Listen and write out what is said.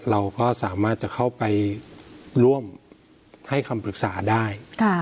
เราก็สามารถจะเข้าไปร่วมให้คำปรึกษาได้